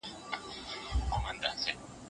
راته سور اور جوړ كړي